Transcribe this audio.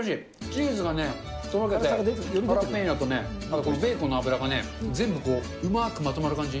チーズがとろけて、ハラペーニョとね、ベーコンの脂がね、全部こう、うまくまとまる感じ。